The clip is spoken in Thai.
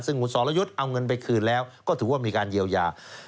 ซึ่งคุณสรยุทธ์เอาเงินไปคืนแล้วก็ถือว่ามีการเยียวยา